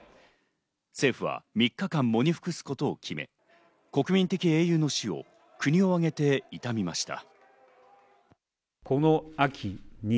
政府は３日間、喪に服すことを決め、国民的英雄の死を国をあげて悼みました。